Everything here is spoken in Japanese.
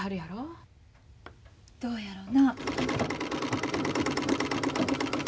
どうやろな。